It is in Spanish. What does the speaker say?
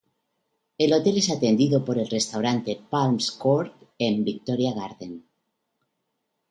El hotel es atendido por el restaurante Palm Court and Victoria Garden.